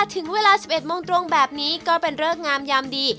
ถึงเวลา๑๑โมงตรงแบบนี้ก็เป็นเริกงามยามดี